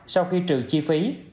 sau khi trừ chi phí